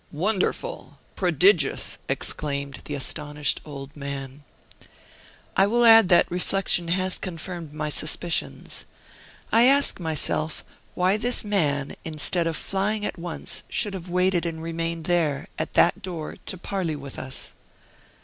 "Wonderful! prodigious!" exclaimed the astonished old man. "I will add that reflection has confirmed my suspicions. I ask myself why this man, instead of flying at once, should have waited and remained there, at that door, to parley with us."